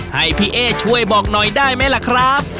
ให้พี่เอ๊ช่วยบอกหน่อยได้ไหมล่ะครับ